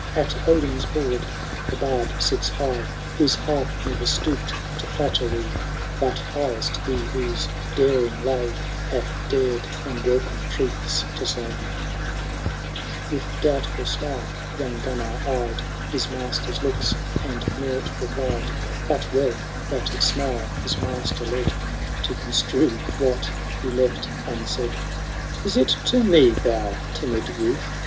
At Odin\i board the bard sits hig^ Whose harp ne*er stooped to flattery ; But highest he whose daring lay Hath dared unwelcome truths to say/* With doubtfiil smile young Qunnar eyed His master^i looks, and nought replied— But well that smile his master led To construe what he left unsaid. Is it to me, thou timid youth.